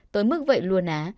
tôi mức vậy luôn á